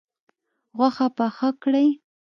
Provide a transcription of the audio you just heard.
غوښه پخه کړئ